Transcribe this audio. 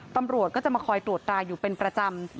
ตำรวจก็จะมาคอยตรวจตราอยู่เป็นประจำ